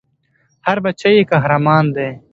هر بــچی ېي قـــهــــــــرمان دی